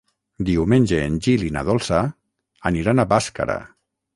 Diumenge en Gil i na Dolça aniran a Bàscara.